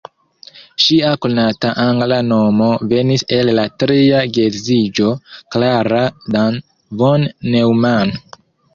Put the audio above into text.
Ŝia konata angla nomo venis el la tria geedziĝo: "Klara Dan von Neumann".